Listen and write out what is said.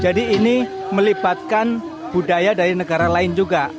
jadi ini melibatkan budaya dari negara lain juga